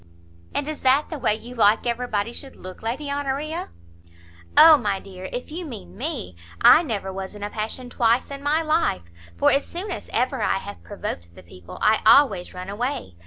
"And is that the way you like every body should look, Lady Honoria?" "O my dear, if you mean me, I never was in a passion twice in my life; for as soon as ever I have provoked the people, I always run away.